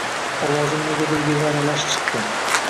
Ovozim negadir yigʻi aralash chiqdi.